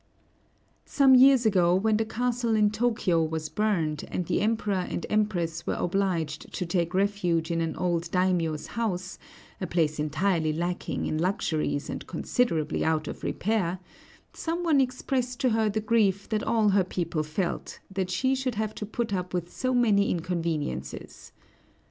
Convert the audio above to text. Some years ago, when the castle in Tōkyō was burned, and the Emperor and Empress were obliged to take refuge in an old daimiō's house, a place entirely lacking in luxuries and considerably out of repair, some one expressed to her the grief that all her people felt, that she should have to put up with so many inconveniences.